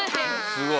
すごい。